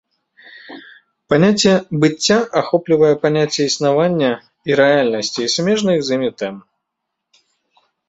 Паняцце быцця ахоплівае паняцце існаванне і рэальнасці і сумежных з імі тым.